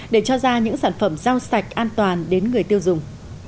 để cho ra những sản phẩm rau sạch an toàn đến người tiêu dùng